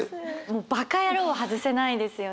「馬鹿野郎！」は外せないですよね。